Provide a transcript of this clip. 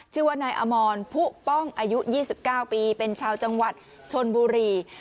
ชื่อว่านายอมรผู้ป้องอายุ๒๙ปีเป็นชาวจังหวัดชนบุรี